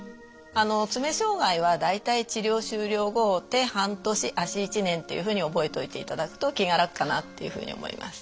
あの爪障害は大体治療終了後手半年足１年っていうふうに覚えといていただくと気が楽かなっていうふうに思います。